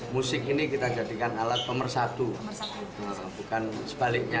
musik ini kita jadikan alat pemersatu bukan sebaliknya